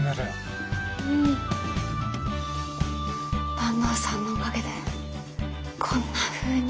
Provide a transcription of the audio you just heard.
坂東さんのおかげでこんなふうに。